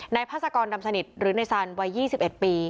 นายพาสกรดำสนิทหรือนายซัลวัยยี่สิบเอ็ดปี